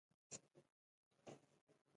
• رېل لیکو د ښارونو تر منځ ارتباط ټینګ کړ.